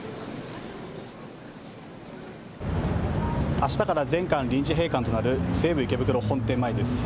あしたから全館臨時閉館となる西武池袋本店前です。